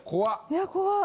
いや怖っ。